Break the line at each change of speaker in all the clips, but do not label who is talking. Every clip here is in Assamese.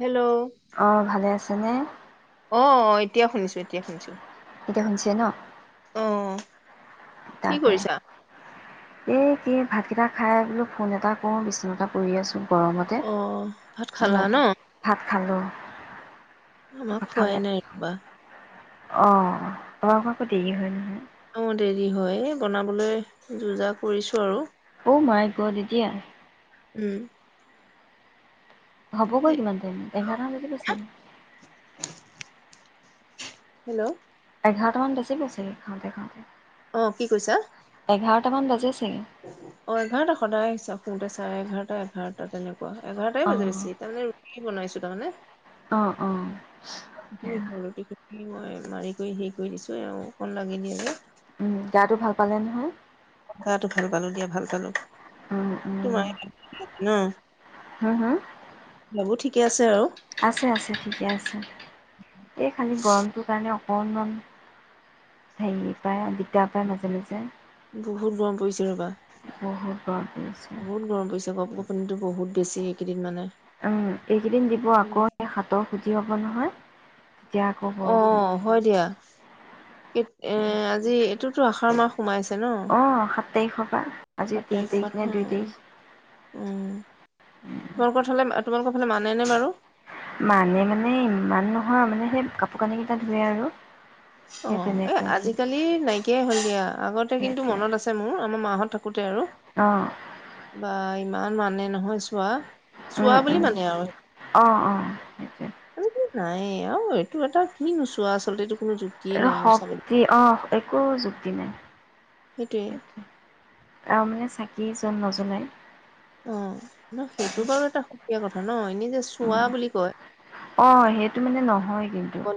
হেল্ল'
অ অ ভালে আছে, যেনে-
অঁ, অঁ এতিয়া শুনিছো, এতিয়া শুনিছো।
এতিয়া হুনিছে হৈছে ন?
অঁ কি
তাকে।
কৰিছা?
এই কি ভাতকেইটা খাই বোলো, ফোন এটা কৰো। বিচনাতে পৰি আছো।
অহ, ভাত খালা নহ
ভাত খালোঁ
আমায খোৱাই নাই ৰাতিপুৱা
অহ, আমাৰ আকৌ দেৰি হয়।
অহ দেৰি হয়, এহ বনাবলৈ যো, জা কৰিছোঁ আৰু
অহ মাই গত এতিয়া
উম
হবগৈ কিমান টাইম, এঘাৰটা বাজি গৈছে।
হেল্ল
এঘাৰটা মান বাজিব ছাগে, খাওঁতে খাওঁতে
অহ, কি কৈছা?
এটা মান বাজে চাগে।
অহ এঘাৰটা সদায় হিচাপ কৰোঁতে চাৰে এঘাৰটা, এঘাৰটা তেনেকুৱা শোৱা এঘাৰটাই বাজে
অ'
বেছি, তাৰমানে, ৰুটি বনাইছো তাৰমানে,
অ' অ'
হল ৰুটি খিনি এই মই মাৰি, কৰি হেই কৰি দিছোঁ। এওঁ অকণ লাগি দিয়ে যে।
উম, গাতটো ভাল পালে নহয়?
গাটো ভাল পালোঁ দিয়া, ভাল পালোঁ।
উম, উম।
তোমাৰ ন'
হু, হু?
বাবু ঠিক- কি আছে আৰু?
আছে, আছে, ঠিকে আছে। এই খালি গৰমটোৰ কাৰণে অকণ অকণমান হেৰি পায় দিগদাৰ। পাই মাজে, মাজে।
বহুত গৰম পৰিছে। ৰ'বা।
বহুত গৰম পৰিছে।
গপ গপনি টো বহুত বেছি। এইকেইদিন মানে,
উম, এইকেইদিন দিব আকৌ সাঠ- খুজি হ'ব নহয়। তেতিয়া আকৌ বৰষুণ।
অ' হয় দিয়া। কে এ আজি এইটোট টো আসাৰ মাহ। সোমাইছে ন।
এক তাৰিখৰ পৰা। আজি
সাত
তিনি
তাৰিখৰ
তাৰিখ
পৰা
নে দুই তাৰিখ।
নহয় উম, তোমালোকত হ'লে তোমালোকৰ ফালে মানে নে বাৰু?
মানে মানে ইমান নহয়, মানে সেই কাপোৰ কানি কেইটা ধোৱে আৰু। সেই
অ' এ
তেনেকুৱা কি
আজিকালি নাইকিয়াই হ'ল দিয়া। আগতে কিন্তু
সেইটোৱে
মনত আছে মোৰ আমাৰ মাহঁত থাকোতে আৰু
অ
বা ইমান মানে নহয় চোৱা। চোৱা
উম,
বুলি
উম,
মানে আৰু
অ' অ' সেইটোৱে।
আজিকালি নাই আৰু এইটো এটা কি নো চোৱা আচলতে এইটো কোনো যুক্তি
অহ' শক্তি অ' একো যুক্তি নাই।
সেইটোৱে
আৰু মানে চা [unintelligible] [unintelligible] নজনাই
অ' ন সেইটো বাৰু এটা। এয়া কথা ন! এনেই যে, চোৱা বুলি কয়।
অ', সেইটো মানে নহয় কিন্তু,
ব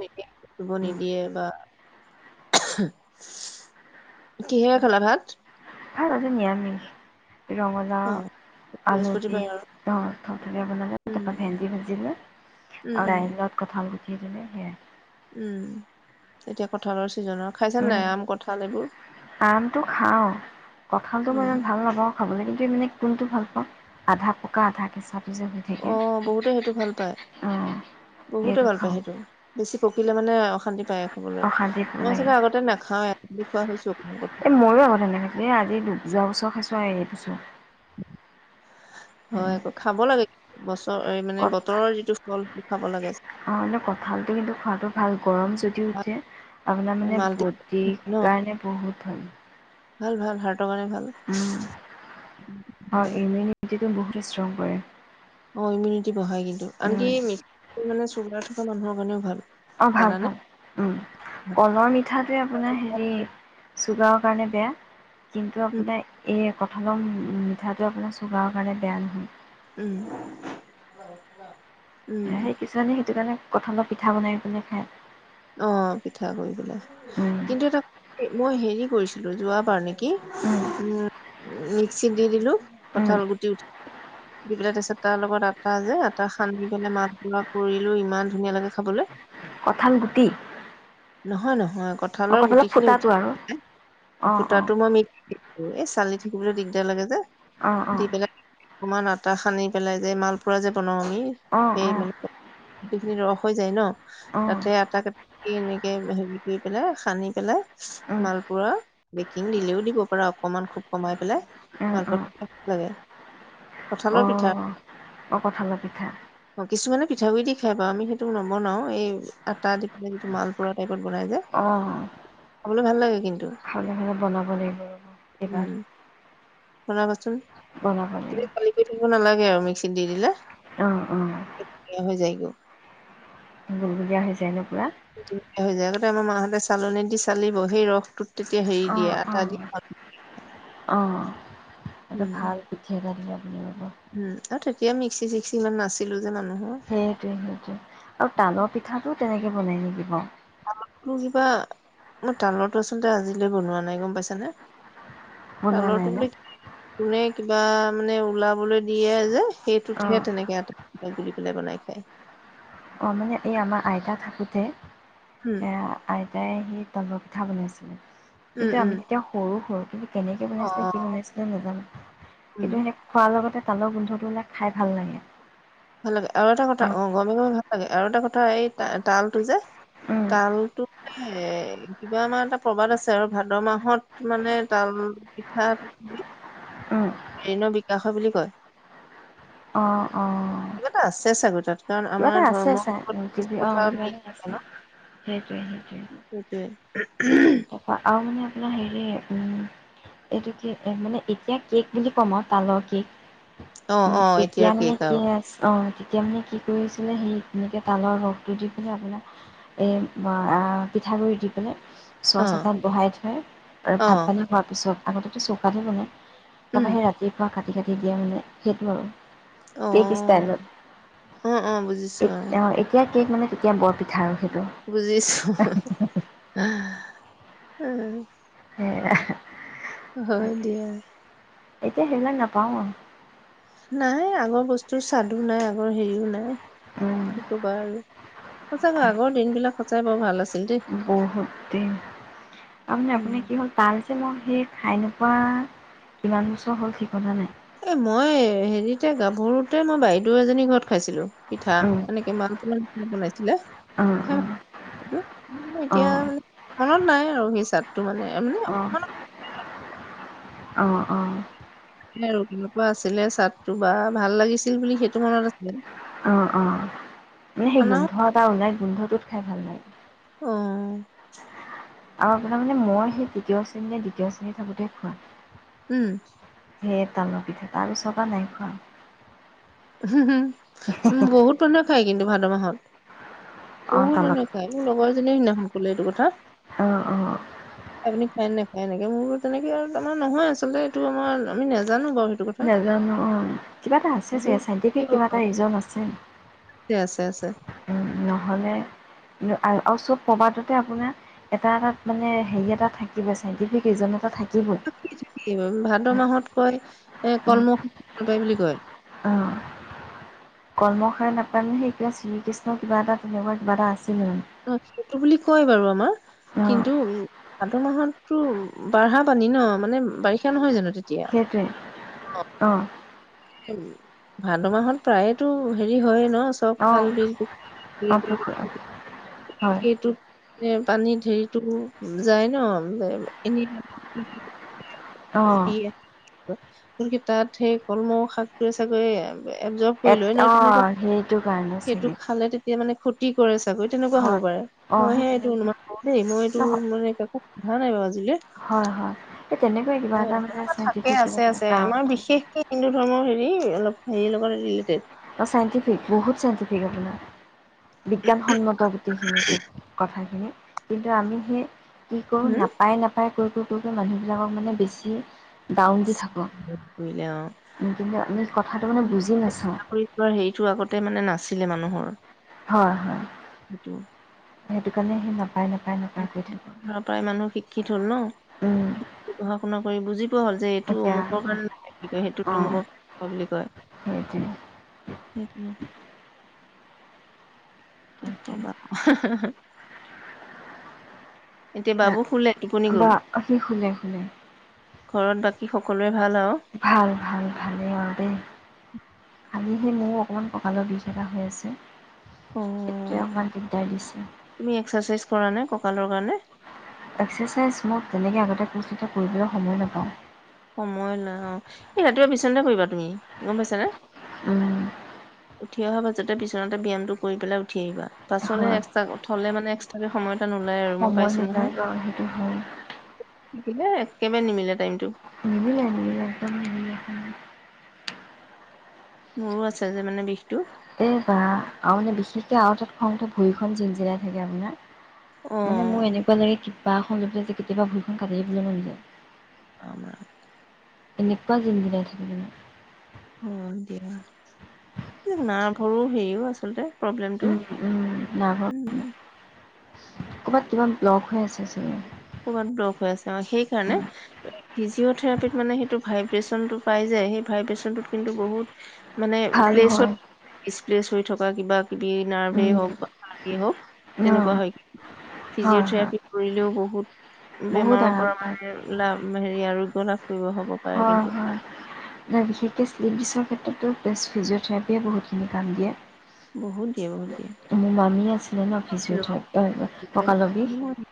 উম।
[inaudible] কিহে খালা ভাত?
ভাত আজি নিৰামিষ।
অ
ৰঙালাও আলু দি
বৃহস্পতিবাৰ আৰু
থৰথৰৈ বনালে
উম
তাৰপৰা ভেন্দী ভাজি লৈ
উম
আৰু
উম
দইলত কঁঠাল। [unintelligible]
উম এতিয়া কঠালৰ চি
আমটো খাও কঠালটো মই
উম
ইমান ভাল নাপাওঁ খাবলৈ কিন্তু ই কোনটো ভাল পাওঁ আধা পকা আধা কেঁচা।
অ', বহুতে সেইটো ভাল পায়
অ'
বহুতে
সেইটো
ভাল পায়
খাওঁ।
সেইটো বেছি পকিলে মানে অশান্তি পায় খাবলৈ
অশান্তি
মই
লাগে
আচলতে আগতে নাখাও এ খোৱা হৈছো অকমান।
এই ময়ো আগত এনেকে খাইছিলোঁ এই আজি দু যোৱা বছৰ খাইছোঁ আৰু এই বছৰ।
হয় আকৌ খাব লাগে। বছ মানে
কঠ
বতৰৰ যিটো ফল খাব লাগে।
অ', হলে কঁঠালটো কিন্তু খোৱাটো ভাল। গৰম যদি উঠে আপোনাৰ মানে
মাল্টি
বডী
ন
কাৰণে বহুত ভাল।
ভাল ভাল হ
উম অ', এইনে তেওঁ ইমিউনিটি ষ্ট্ৰং কৰে।
অ', ইমিউনিটি বঢ়াই কিন্তু আনকি
উম,
ম মানে চুগাৰ থকা মানুহৰ কাৰণেও ভাল।
অ', ভাল
জানানে
ভাল উম কলৰ মিঠাতে আপোনাৰ হেৰি চুগাৰৰ কাৰণে বেয়া। কিন্তু
উম
আপোনাৰ এই কঠালৰ মিঠাটোৱে আপোনাৰ চুগাৰৰ কাৰণে বেয়া নহয়।
উম। উম
এ সেই কিছুমান সেইটো কাৰণে কঠালৰ পিঠা বনাই পিনে খায়।
অ', পিঠা কৰি পেলাই
উম,
কিন্তু এটা মই হেৰি কৰিছো। ছিলো যোৱা বাৰ নেকি
উম,
কি উম মিক্সিত দি দিলো
উম,
কথাল গুটি উঠি দি পেলাই তাৰপাছত তাৰ লগত আটা যে, আটা সানি পেলাই [unintelligible] কৰিলোঁ ইমান ধুনীয়া লাগে খাবলে
কঁঠাল গুটি
নহয়, নহয়
অ,
কঁঠালৰ গুটিখিনি
ফুটাটো আৰু
[unintelligible]
অ, অ,
মই মিক এই চালি থাকিবলৈ দিগদাৰ লাগে যে
অ, অ,
দি পেলাই অকমান আটা সানি পেলাই যে, মালপুৰা যে, বনাওঁ
অ, অ,
[unintelligible] খিনি ৰস হৈ যায় ন।
অ,
তাতে আটা এনেকে হেৰি কৰি পেলাই সানি পেলাই
উম,
মালপুৰা বেকিং দিলেও দিব পাৰা অকমান খুব কমাই পেলাই,
উম, উম,
[unintelligible] লাগে
অ,
কঁঠালৰ পিঠা।
অ', কঁঠালৰ পিঠা
পিঠাগুড়ি দি খাই পা আমি সেইটো নবনাওঁ এই আটা দি পেলাই যিটো মালপুৰা টাইপত বনাই যে
অ'
খাবলৈ ভাল লাগে কিন্তু।
[unintelligible] বনাব লাগিব ৰব, কিবা।
উম বনাবাচোন।
লাগিব
[unintelligible] খালি কৰি থাকিব নালাগে। [unintelligible] মিক্সিত দি দিলে।
অ', অ'।
বেয়া হৈ যায় গৈ।
বেয়া হৈ যায় ন' পুৰা?
[unintelligible] যায়। আগতে আমাৰ মাহঁতে চালনী দি চালিব, সেই ৰসটোত তেতিয়া হেৰি দিয়ে
অঁ
আটা
অঁ
দি [unintelligible]
অঁ এইটো
উম
ভাল পৃথি এটা দিয়ক।
উম, আৰু তেতিয়া মিক্সি চিক্সি ইমান নাছিলো যে মানুহৰ
সেইটোৱে সেইটোৱে। আৰু তালৰ পিঠাটো তেনেকৈ বনায় নেকি বাৰু?
[unintelligible] কিবা, মই তালৰটো আচলতে আজিলৈ বনোৱা নাই গম পাইছানে।
বনোৱা নাই
তালৰটো
ন
বোলে, কোনে কিবা মানে ওলাবলৈ দিয়ে যে।
অঁ
সেইটোতহে তেনেকে এটা হেই বুলি পেলাই বনাই খায়।
অ', মানে এই আমাৰ আইতা থাকোঁতে
উম
এয়া আইতা [unintelligible] সেই তালৰ পিঠা বনাইছিলে।
উম
কিন্তু
উম
আমি তেতিয়া সৰু- সৰু। কেনেকে
অ
বনাইছিলে কি বনাইছিলে নাজানো
উম
কিন্তু সেই খোৱাৰ লগতে। তালৰ গোন্ধবোৰ মানে খাই ভাল লাগে।
ভাল লাগে আৰু এটা কথা অহ ', গৰমে -গৰমে ভাল লাগে। আৰু এটা কথা এই তালটো যে তালটো কিবা আমাৰ এটা প্ৰবাদ আছে আৰু ভাদ মাহত মানে তাল পিঠাটো।
অঁ
ঋণৰ বিকাশ হয় বুলি কয়
অঁ অঁ
কিবা এটা আছে চাগৈ তাত। কাৰণ
কিবা
আমাৰ
এটা আছে
ধৰ্মৰ
চাই
লগত
অহ
কিছু কথা
', কিবা
মিল
এটা
থাকে
আছে
ন
সেইটোৱে - সেইটোৱে।
উহ - উহ।
তাৰপা আৰু মানে আপোনাৰ হেৰি উম, এইটো কি মানে এতিয়া কেক বুলি কম আও তালৰ কেক
অ
উম,
অ
তেতিয়া
এতিয়াৰ
মানে
কেক
কি
আৰু
আছ অহ ', তেতিয়া মানে কি কৰি আছিলে সেই এনেকৈ তালৰ ৰসটো দি পেলাই আপোনাক এই পিঠাগুড়ি দি পেলাই।
অ
চচ এটাত বহাই থয় আৰু
অ
ভাত পানী হোৱাৰ পিছত আগতেতো চৌকাত হে বনাই। তাৰপৰা
উম
সেই ৰাতিপুৱা কাট কাটি- কাটি দিয়া মানে সেইটো আৰু।
অ
কেক বিছটা আনিলো
অ অ বুজিছো
এ
অ
অহ ', এতিয়া কেক মানে, তেতিয়া বৰ পিঠা আৰু সেই
বুজিছো। উম।
সেয়া
হয়
তাকে
দিয়া।
এতিয়া সেইবিলাক নাপাও আৰু।
নাই, আগৰ বস্তুৰ স্বাদো নাই, আগৰ হেৰিও নাই।
উম
কি কবা আৰু সচাকৈ আগৰ দিন বিলাক সচাই বৰ ভাল আছে।
বহুত দিন আমি
উম
আপুনি কি হ'ল, তাল মই সেই খাই নোপোৱা ইমান বছৰ হ'ল ঠিকনা নাই।
এ, মই হেৰিতে গাভৰুতে মই বাইদেউ এজনী ঘৰত খাইছিলো। পিঠা,
উম
এনেকে ইমান বনাইছিলে
উম
খাই
উম
ভ এতিয়া
অঁ
মনত নাই আৰু সেই চাদটো মানে
অঁ
[unintelligible]
অঁ
আৰু কেনেকুৱা আছিলে চাৰ্টো বা ভাল লাগিছিল বুলি সেইটো মনত আছিল।
অঁ অঁ অঁ মানে সেই গোন্ধ এটা ওলাই, গোন্ধটোত খাই ভাল লাগে।
অহ ',
আৰু আপোনাৰ মানে মই সেই তৃতীয় শ্ৰেণীৰ, দ্বিতীয় শ্ৰেণী থাকোতে খোৱা।
উম।
সেই তালৰ পিঠা আৰু চবা নাই খোৱা।
হম- হম। উম, বহুত মানুহে খাই কিন্তু, ভাদ মাহত
অঁ
বহুত
তালত
মানুহ খায় মোৰ লগৰ এজনী কোনে সিদিনাখন কলে এইটো কথা
অঁ অঁ
আপুনি খায় নেখায় এনেকে? মোৰ তেনেকে আৰু তোমাৰ নহয় আচলতে এইটো আমাৰ আমি নাজানো বাৰু। সেইটো কথা
নাজানো, অঁ কিবা এটা আছে চাগে চাইণ্টিফিক
কিয়
কিবা এটা ৰিজন আছে।
আছে, আছে, আছে।
উম, নহ'লে আৰু চব প্ৰবাদতে আপোনাৰ এটা এটাত মানে হেৰি এটা থাকিব, চাইণ্টিফিক ৰিজন এটা থাকিব।
[unintelligible] ভাদ মাহত কয় এ কলমৌ নাখায় বুলি কয়।
কলমৌ শাক নাখায় মানে সেই শ্ৰীকৃষ্ণৰ কিবা এটা তেনেকুৱা কিবা এটা আছিলে মানে
অঁ সেইটো বুলি কয় বাৰু আমাৰ।
অ'
কিন্তু ভাদ মাহতো বঢ়া পানী ন মানে বাৰিষা নহয় জানো? তেতিয়া
সেইটোৱে, অঁ
ভাদ মাহত প্ৰায়েতো, হেৰি, হয়ে ন? চব
অ'
খাল
অ' পুখুৰী
বিল
হয়
সেইটো। এ পানী হেৰিতো যায় ন এনে
অঁ
গতিকে তাত সেই কলমৌ শাকটোয়ে চাগৈ এবজৰ্ব কৰি লয় ন
অঁ সেইটো কাৰণে চাগে
এতিয়া মানে ক্ষতি কৰিছে চাগৈ তেনেকুৱা হ'ব
হয়।
পাৰে
অ' সেই
মইহে এইটো
তেনেকুৱা
অনুমান কৰো দেই মই এইটো
নহয়
মানে কাকো ভাল লাগিব ভাজিলে
হয় হয় তেনেকুৱাই কিবা এটা মানে
তেনেকুৱা
আছে
থাকে
বিশেষ কিবা
আছে
এটা কাৰণ থাকে
এ অলপ হেৰি লগত ৰিলেটেড
চাইণ্টিফিক বহুত চাইণ্টিফিক আপোনাৰ বিজ্ঞানসন্মত গোটেইখিনি তথ্য কথাখিনি কিন্তু আমি হে কি কৰো
উম,
নাপায় নাপায় কৈ কৈ মানে মানুহবিলাকক মানে বেছি ডাউন দি থাকো
কৰিলে অ',
কিন্তু আমি কথাটো মানে বুজি নাচাও
চাকৰি হেৰিটো আগতে মানে নাছিলে মানুহৰ
হয় হয়
সেইটো।
সেইটো কাৰণে সি নাপায় নাপায় নাপায় কৈ থাকোঁ
নাপাই মানুহ শিক্ষিত হল ন
উম
সম্পূৰ্ণকৈ বুজি হ'ল যে এইটো
এতিয়া
অমুকৰ কাৰণে, কিয় সেইটোত
অঁ
তুমুক বুলি কয়।
[unintelligible]
হেত ম [unintelligible] কি কবা ক, এতিয়া বাবু শুলে? টোপনি গ'ল?
বা সি শুলে শুলে,
ঘৰত বাকী সকলোৱে ভাল আৰু,
ভাল ভাল ভালেই আৰু দেই, আজি হে ময়ো অকমান ক লৰ বিশ এটা হৈ আছে।
অ
সেইটোৱে অকণমান দিগদাৰ দিছে
তুমি এক্সেচাইজ কৰা নাই ক ককালৰ কাৰণে,
এক্সেচাইজ মোক তেনেকে আগতে কৰিছিলো, এতিয়া কৰিবলৈ সময় নাপাওঁ।
সময় নাই অ, এই ৰাতিপুৱা বিচনা কৰিবা তুমি গম পাইছানে?
উম।
উঠি অহাৰ পাছতে বিছনাতে ব্যায়ামটো কৰি পেলাই উঠি আহিবা, পাছলে
হয়
এক্স্ৰ উ থলে মানে এক্সট্ৰাকে সময়। এটা নোলায় আৰু মই
সময়
পাইছো
নযায় ন সেইটো হয়
নিমিলে একেবাৰে নিমিলে টাইম টো
নিমিলে নিমিলে একদম নিমিলে সময়।
মোৰো আছে যে মানে বিষটো
আও মানে বিশেষকে আও তাত খঙ উঠে ভৰিখন জিন জিলাই থাকে আপোনাৰ মানে মোৰ
অ'
এনেকুৱা লাগে কিব কিবা খন লৈ যে কেতিয়াবা ভূইখন কাটিদিবলে মন যায়।
আমাৰ।
এনে কোৱা জিনজিনাই থাকে মানে
উম দিয়া নাৰ্ভৰো হেৰিও আচলতে প্ৰব্লেমটো।
উম, উম,
উম।
ক'বাত কিবা লগ হৈ আছে চাগে
ক'ৰবাত ব্লক হৈ আছে আ সেইকাৰণে
হয়,
ফিজিঅ'থেৰাপিত মানে সেইটো ভাইব্ৰেচন টো পাই যে সেই ভাইব্ৰেচনটোত কিন্তু বহুত মানে
ভাল হয়।
প্লেছত ইচ প্লেছ হৈ থকা কিবা কিবি নাৰ্ভেই
উম,
হওক বা ভালেই হওক
অ',
তেনেকুৱা হয় কি
হয়, হয়
ফিজিঅথেৰাপি কৰিলেও বহুত। বহুত
বহুত
বেমাৰৰ
আৰাম
পৰা
পায়।
মানে লাভ হেৰি আৰু [unintelligible]
হয় হয় ন বিশেষকে [unintelligible] এই ক্ষেত্ৰতো পেষ্ট ফিজঅ'থেৰাপিয়েও বহুতখিনি কাম দিয়ে।
বহুত দিয়ে বহুত দিয়ে।
মোৰ মামী আছিলে ন
খাইছিলো
ফিজিঅ'থে এ ককালৰ বিষ
মই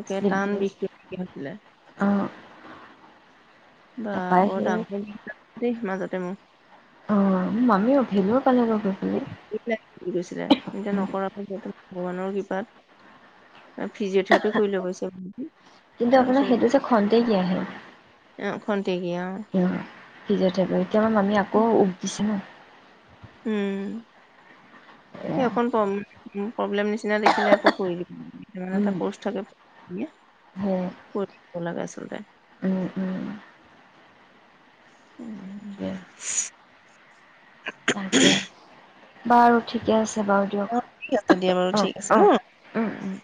একে
শ্লিপ
টান
দিয়ে।
বিষটো নাইকিয়া হৈছিলে
অ।
বা বৰ
সেই
ডাঙৰ। দে মাজতে মোক
মামি অভেলত। কেনেকৈ গৈ পালে
কি গৈছিলে? এতিয়া নকৰা [unintelligible] ভগৱানৰ কৃপাত অ ফিজিঅথেৰাপি কৰিলো গৈ [unintelligible]
কিন্তু আপোনাৰ সেইটো যে খন্তেকিয়া হে
অ খন্তেকীয়া অ
ফিজিঅথেৰাপি এতিয়া আমাৰ মামী আকৌ উভ দিছে ন।
উম
এয়া
অকন প্ৰব প্ৰব্লেম্ নিচিনা দেখিলে আকৌ কৰি দিয়ে কেইদিনমান‌ৰ এটা
উম
কোৰ্স থাকে
সেই
কৰি দিব লাগে আচলতে।
উম উম
উম।
তাকে
[unintelligible]
বাৰু ঠিকে আছে। বাৰু দিয়ক
অ ঠিক আছে দিয়া বাৰু
অঁ
ঠিক আছে ন
অঁ
উম